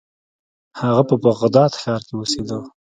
هغه په بغداد ښار کې اوسیده.